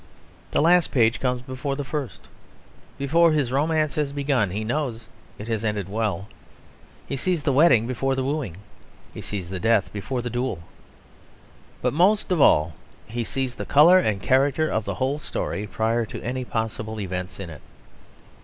The last page comes before the first; before his romance has begun, he knows that it has ended well. He sees the wedding before the wooing; he sees the death before the duel. But most of all he sees the colour and character of the whole story prior to any possible events in it.